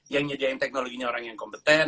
yang nyediain teknologinya orang yang kompeten